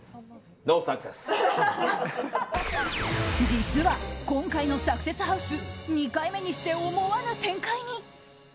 実は、今回のサクセスハウス２回目にして思わぬ展開に。